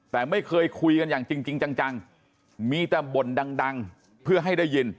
แต่ไม่เคยคุยกันอย่างจริงจังมีแต่บ่นดังเพื่อให้ได้ยิน